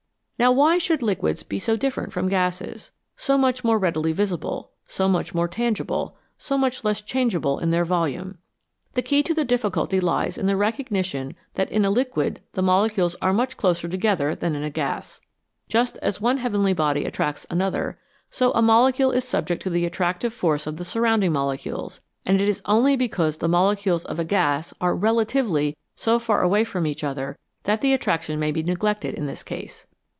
Now why should liquids be so different from gases, so much more easily visible, so much more tangible, so much less changeable in their volume ? The key to the difficulty lies in the recognition that in a liquid the molecules are much closer together than in a gas. Just as one heavenly body attracts another, so a mole cule is subject to the attractive force of the surround ing molecules, and it is only because the molecules of a gas are relatively so far away from each other that the attraction may be neglected in this case.